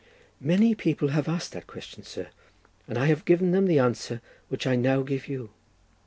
"Many people have asked that question, sir, and I have given them the answer which I now give you.